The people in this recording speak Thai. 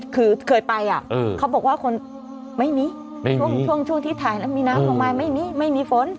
คือเคยไปเขาบอกว่าคนไม่มีช่วงที่ถ่ายแล้วมีน้ำลงมาไม่มีไม่มีฝน